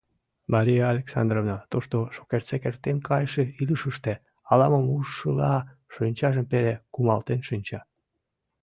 — Мария Александровна, тушто, шукертсек эртен кайыше илышыште, ала-мом ужшыла, шинчажым пеле кумалтен шинча....